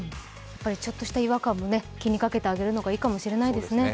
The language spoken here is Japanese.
ちょっとした違和感も気にかけてあげるのがいいのかもしれないですね。